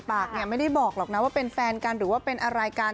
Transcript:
ปากเนี่ยไม่ได้บอกหรอกนะว่าเป็นแฟนกันหรือว่าเป็นอะไรกัน